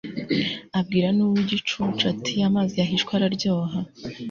abwira n'uw'igicucu, ati amazi yahishwe araryoha